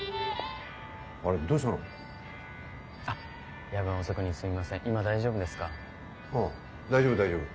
ああ大丈夫大丈夫。